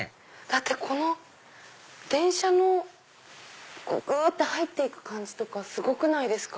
この電車のぐって入って行く感じとかすごくないですか？